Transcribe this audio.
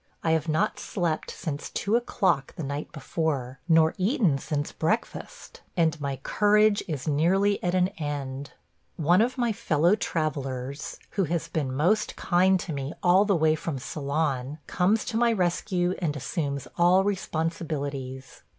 I have not slept since two o'clock the night before, nor eaten since breakfast, and my courage is nearly at an end. One of my fellow travellers, who has been most kind to me all the way from Ceylon, comes to my rescue and assumes all responsibilities.